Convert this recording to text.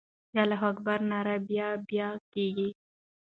د الله اکبر ناره به بیا کېږي.